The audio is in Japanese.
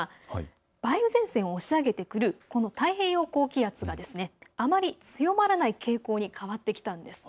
梅雨前線を押し上げてくるこの太平洋高気圧があまり強まらない傾向に変わってきたんです。